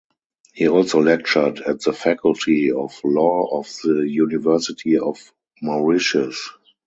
He also lectured at the Faculty of Law of the University of Mauritius.